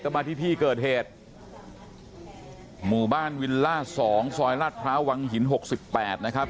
มาที่ที่เกิดเหตุหมู่บ้านวิลล่า๒ซอยลาดพร้าววังหินหกสิบแปดนะครับ